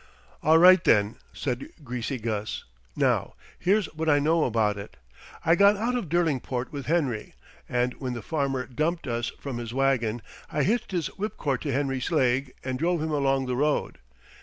"All right, then," said Greasy Gus. "Now, here's what I know about it. I got out of Derlingport with Henry, and when the farmer dumped us from his wagon I hitched this whipcord to Henry's leg and drove him along the road.